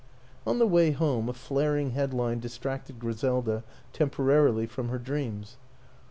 On the way home a flaring headline distracted Griselda temporarily from her dreams.